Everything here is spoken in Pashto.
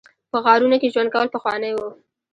په غارونو کې ژوند کول پخوانی و